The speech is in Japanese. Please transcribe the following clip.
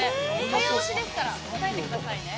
早押しですから答えてくださいね。